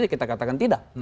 tapi kita katakan tidak